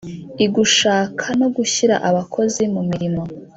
igushaka no gushyira abakozi mu mirimo